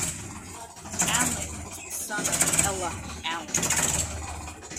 Allen is the son of Ella Allen.